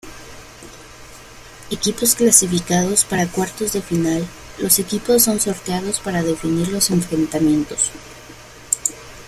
Equipos clasificados para cuartos de final, los equipos son sorteados para definir los enfrentamientos.